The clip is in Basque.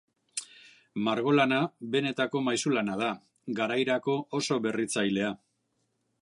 Margolana benetako maisulana da, garairako oso berritzailea.